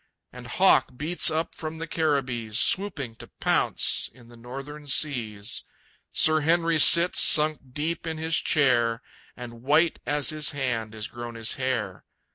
And Hawk beats up from the Caribbees, Swooping to pounce in the Northern seas. Sir Henry sits sunk deep in his chair, And white as his hand is grown his hair.